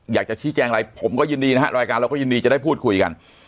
อยากจะชี้แจงอะไรผมก็ยินดีนะฮะรายการเราก็ยินดีจะได้พูดคุยกัน